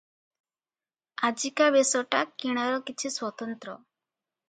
ଆଜିକା ବେଶଟା କିଣାର କିଛି ସ୍ୱତନ୍ତ୍ର ।